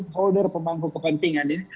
semua stakeholder pemangku kepentingan ini